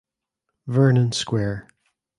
Vernon Square.